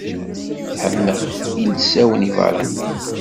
Ḥemmleɣ ilsawen ibeṛṛaniyen.